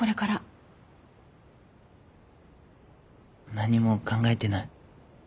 何にも考えてない。